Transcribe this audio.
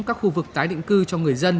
các khu vực tái định cư cho người dân